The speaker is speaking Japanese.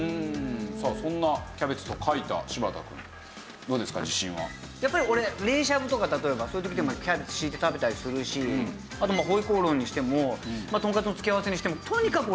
さあそんなやっぱり俺冷しゃぶとか例えばそういう時でもキャベツ敷いて食べたりするしあと回鍋肉にしてもとんかつの付け合わせにしてもとにかく。